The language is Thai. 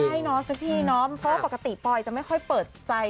ใช่เนอะซึ่งที่เนอะเพราะว่าปอยจะไม่ค่อยเปิดใจ